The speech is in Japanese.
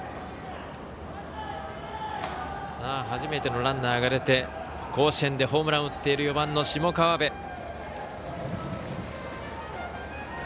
初めてのランナーが出て甲子園でホームランを打っている４番の下川邊。